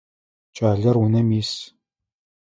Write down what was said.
Кӏалэр унэм ис.